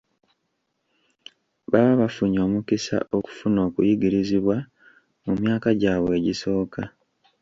Baba bafunye omukisa okufuna okuyigirizibwa mu myaka gyabwe egisooka.